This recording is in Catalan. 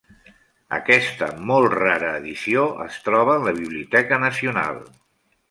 Aquesta molt rara edició, es troba en la Biblioteca nacional.